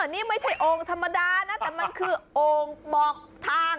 นี่ไม่ใช่โอ่งธรรมดานะแต่มันคือโอ่งบอกทาง